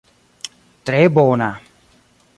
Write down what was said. Tre bona.